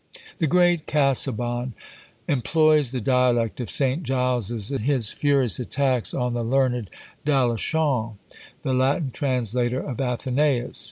The great Casaubon employs the dialect of St. Giles's in his furious attacks on the learned Dalechamps, the Latin translator of Athenæus.